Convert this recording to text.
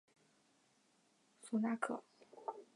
索纳克。